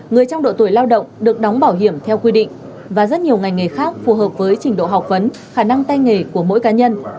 người trong độ tuổi lao động được đóng bảo hiểm theo quy định và rất nhiều ngành nghề khác phù hợp với trình độ học vấn khả năng tay nghề của mỗi cá nhân